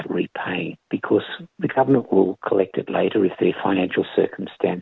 karena pemerintah akan mengumpulkannya nanti jika keadaan finansial mereka berkembang